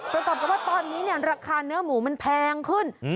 ประกอบกับว่าตอนนี้เนี่ยราคาเนื้อหมูมันแพงขึ้น